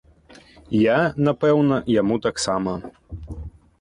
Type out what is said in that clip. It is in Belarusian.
Я, напэўна, яму таксама.